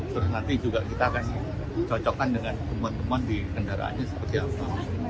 terus nanti juga kita akan cocokkan dengan teman teman di kendaraannya seperti apa